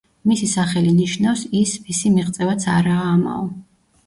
მისი სახელი ნიშნავს „ის, ვისი მიღწევაც არაა ამაო“.